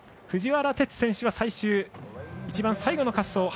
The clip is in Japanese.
藤原哲選手は最終、一番最後の滑走。